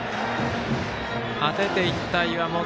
当てていった岩本。